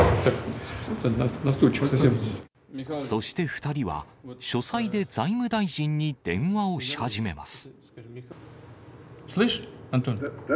そして２人は、書斎で財務大臣に電話をし始めます。